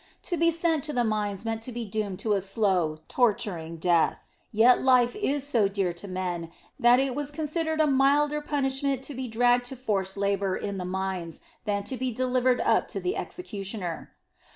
To be sent to the mines meant to be doomed to a slow, torturing death; yet life is so dear to men that it was considered a milder punishment to be dragged to forced labor in the mines than to be delivered up to the executioner.